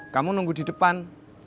kamu nunggu di depan